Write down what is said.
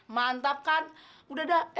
mantap kan udah dah